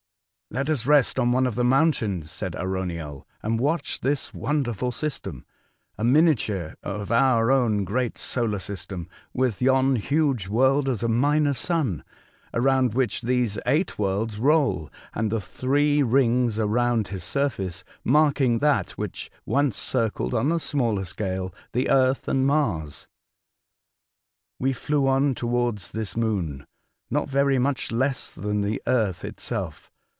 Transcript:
" Let us rest on one of the mountains," said Arauniel, ''and watch this wonderful system — a miniature of our own great solar system, with yon huge world as a minor sun, around which these eight worlds roll, and the three rings around his surface marking that which once circled on a smaller scale the Earth and Mars." We flew on towards this moon, not so very much less than the earth itself.